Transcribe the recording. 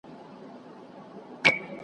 لړزوي به آسمانونه .